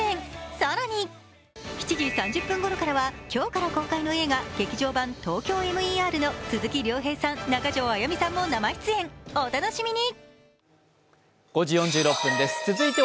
更に７時３０分ごろからは今日から公開の映画「劇場版ＴＯＫＹＯＭＥＲ」の鈴木亮平さん、中条あやみさんも生出演、お楽しみに。